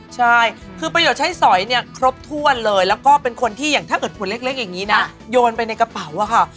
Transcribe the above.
ใช่คือประโยชน์ใช้สอยเนี่ยครบถ้วนเลยแล้วก็เป็นคนที่อย่างถ้าเกิดผลเล็กอย่างนี้นะโยนไปในกระเป๋าอะค่ะ